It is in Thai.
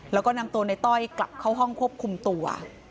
แล้วก็นำตัวในต้อยกลับเข้าห้องควบคุมตัว